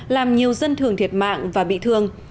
làm nhiều dân thường thiệt mạng và bị thương